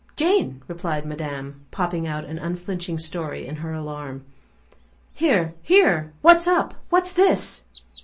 "Jane," replied madame, popping out an unflinching story in her alarm. "Here! Here! What's up? What's this?"